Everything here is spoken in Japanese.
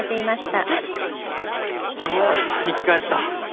ああ生き返った！